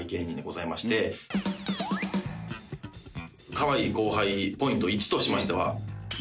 かわいい後輩ポイント１としましては。